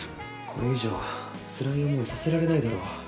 これ以上はつらい思いさせられないだろう。